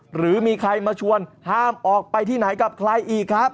หรือมีใครมาชวนห้ามออกไปที่ไหนกับใครอีกครับ